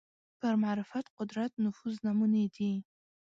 پر معرفت قدرت نفوذ نمونې دي